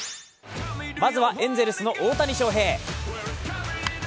まずはエンゼルスの大谷翔平。